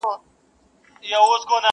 ورځه ورځه تر دکن تېر سې؛